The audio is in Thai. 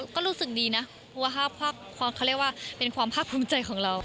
ก็รู้สึกดีนะเขาเรียกว่าเป็นความพราบภูมิใจของเรา